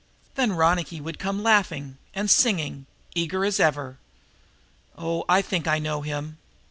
Then Ronicky would come laughing and singing, eager as ever. Oh, I think I know him!"